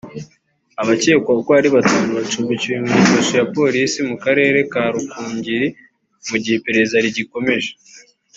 Abakekwa uko ari batanu bacumbikiwe muri kasho ya polisi mu karere ka Rukungiri mu gihe iperereza rigikomeje